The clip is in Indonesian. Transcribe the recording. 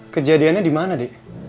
kejadiannya di mana di